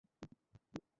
এসো, আড্ডা দিই।